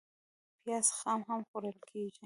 پیاز خام هم خوړل کېږي